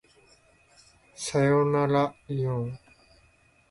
さよならいおん